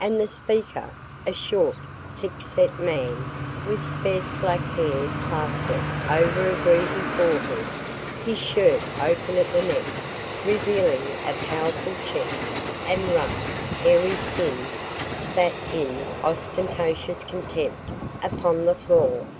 And the speaker, a short, thick set man with sparse black hair plastered over a greasy forehead, his shirt open at the neck, revealing a powerful chest and rough, hairy skin, spat in ostentatious contempt upon the floor.